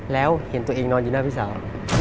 แล้วเห็นตัวเองนอนอยู่หน้าพี่สาว